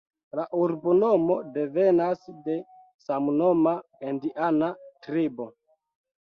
La urbonomo devenas de samnoma indiana tribo.